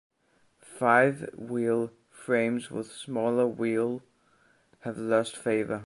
Five-wheel frames with smaller wheel have lost favor.